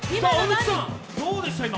どうでした、今？